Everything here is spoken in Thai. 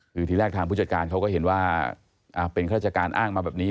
คือทีแรกทางผู้จัดการเขาก็เห็นว่าเป็นข้าราชการอ้างมาแบบนี้